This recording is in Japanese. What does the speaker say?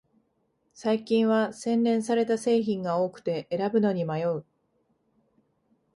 最近は洗練された製品が多くて選ぶのに迷う